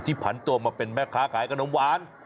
ผันตัวมาเป็นแม่ค้าขายขนมหวาน